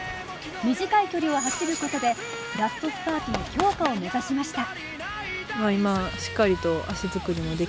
短い距離を走ることでラストスパートの強化を目指しました。